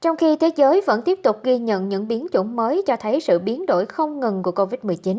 trong khi thế giới vẫn tiếp tục ghi nhận những biến chủng mới cho thấy sự biến đổi không ngừng của covid một mươi chín